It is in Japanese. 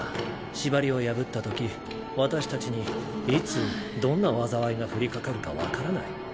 縛りを破ったとき私たちにいつどんな災いが降りかかるか分からない。